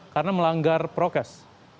karena melanggar prokes